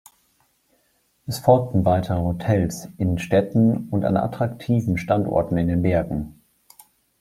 Es folgten weitere Hotels in Städten und an attraktiven Standorten in den Bergen.